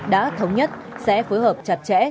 đã thống nhất sẽ phối hợp chặt chẽ